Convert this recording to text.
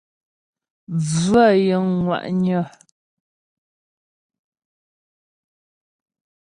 Bvə̂ yəŋ ŋwà'nyə̀.